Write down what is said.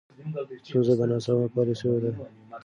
ستونزه د ناسمو پالیسیو ده.